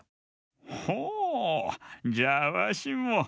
ほうじゃあわしも。